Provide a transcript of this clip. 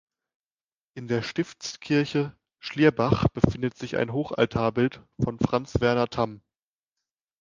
In der Stiftskirche Schlierbach befindet sich ein Hochaltarbild von Franz Werner Tamm.